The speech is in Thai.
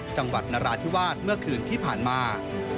จังหวัดนราธิวาสเมื่อคืนที่ผ่านมา